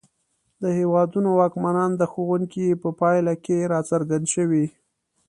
د هېوادونو واکمنان د ښوونکي په پایله کې راڅرګند شوي.